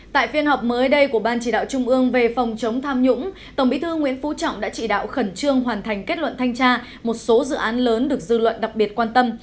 tại phiên họp mới đây của ban chỉ đạo trung ương về phòng chống tham nhũng tổng bí thư nguyễn phú trọng đã chỉ đạo khẩn trương hoàn thành kết luận thanh tra một số dự án lớn được dư luận đặc biệt quan tâm